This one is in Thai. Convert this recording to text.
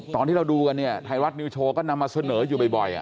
ตอนที่เราดูกันเนี่ยไทยรัฐนิวโชว์ก็นำมาเสนออยู่บ่อย